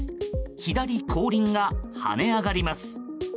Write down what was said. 左後輪が跳ね上がります。